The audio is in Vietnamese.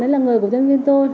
đấy là người của nhân viên tôi